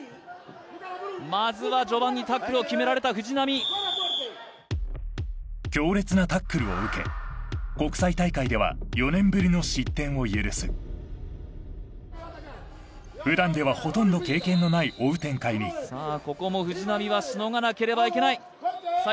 まずは序盤にタックルを決められた藤波強烈なタックルを受けを許す普段ではほとんど経験のない追う展開にさあここも藤波はしのがなければいけないさあ